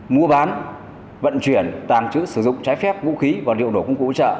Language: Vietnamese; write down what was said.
mua bán vận chuyển tàng trữ sử dụng trái phép vũ khí và liệu nổ công cụ hỗ trợ